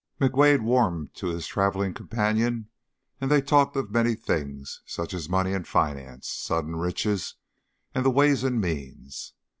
McWade warmed to his traveling companion, and they talked of many things, such as money and finance, sudden riches, and ways and means.